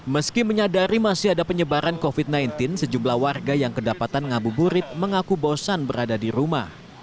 meski menyadari masih ada penyebaran covid sembilan belas sejumlah warga yang kedapatan ngabuburit mengaku bosan berada di rumah